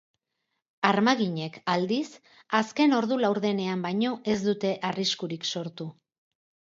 Armaginek, aldiz, azken ordu laurdenean baino ez dute arriskurik sortu.